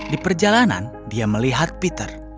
di perjalanan dia melihat peter